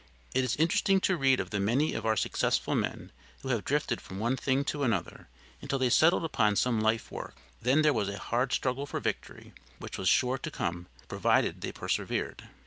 It is interesting to read of the many of our successful men who have drifted from one thing to another until they settled upon some life work, then there was a hard struggle for victory, which was sure to come, provided they persevered.